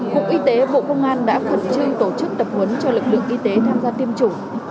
cục y tế bộ công an đã khẩn trương tổ chức tập huấn cho lực lượng y tế tham gia tiêm chủng